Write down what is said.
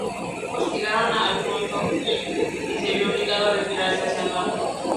Hostigaron a Alfonso I, que se vio obligado a retirarse hacia el norte.